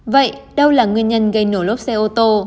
vậy đâu là nguyên nhân gây nổ lốp xe ô tô